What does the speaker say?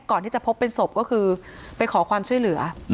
ก่อนที่จะพบเป็นศพก็คือไปขอความช่วยเหลือ